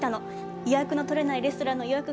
予約の取れないレストランの予約が取れてね。